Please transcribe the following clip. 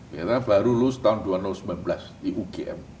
ternyata baru lulus tahun dua ribu sembilan belas di ugm